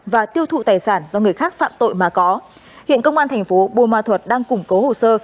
và tiêu thụ tài sản do người khác phạm tội mà có hiện công an thành phố buôn ma thuật đang củng cố hồ sơ